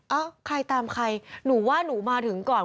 ใครตามใครหนูว่าหนูมาถึงก่อน